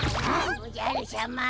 おじゃるしゃま。